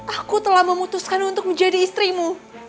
aku telah memutuskan untuk menjadi istrimu